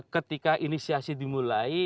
ketika inisiasi dimulai